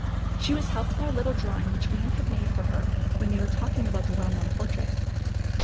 She was helped by a little drawing which Ian had made for her when they were talking about the well known portrait.